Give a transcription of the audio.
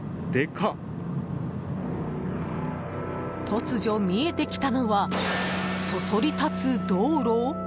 突如、見えてきたのはそそり立つ道路？